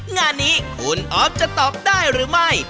งานนี้คุณอ๊อฟจะตอบได้หรือไม่